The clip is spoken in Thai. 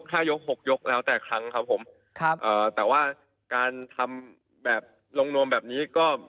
ห้ายกหกยกแล้วแต่ครั้งครับผมครับเอ่อแต่ว่าการทำแบบลงนวมแบบนี้ก็